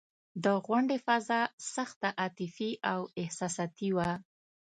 د غونډې فضا سخته عاطفي او احساساتي وه.